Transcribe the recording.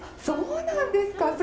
そうなんですか！